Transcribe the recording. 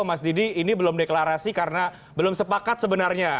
mas didi ini belum deklarasi karena belum sepakat sebenarnya